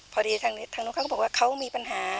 พอดีทางนู้นเขาก็บอกว่าเขามีปัญหา